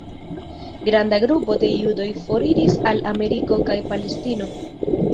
Granda grupo de judoj foriris al Ameriko kaj Palestino.